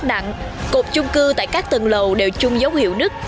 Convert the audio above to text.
nó rất nặng cột chung cư tại các tầng lầu đều chung dấu hiệu nứt